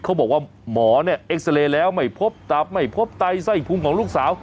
เขาบอกว่าหมอเนี่ยเอ็กซาเรย์แล้วไม่พบตับไม่พบไตไส้พุงของลูกสาว